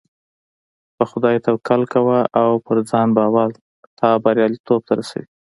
په خدای توکل کوه او په ځان باور تا برياليتوب ته رسوي .